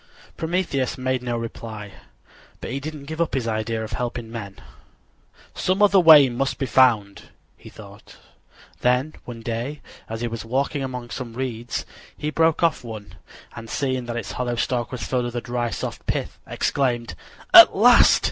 Prometheus made no reply, but he didn't give up his idea of helping men. "Some other way must be found," he thought. Then, one day, as he was walking among some reeds he broke off one, and seeing that its hollow stalk was filled with a dry, soft pith, exclaimed: "At last!